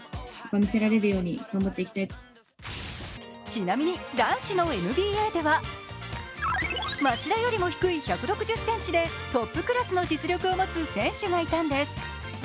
ちなみに男子のＮＢＡでは町田よりも低い１６０ｃｍでトップクラスの実力を持つ選手がいたんです。